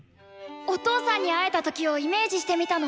お父さんに会えた時をイメージしてみたの。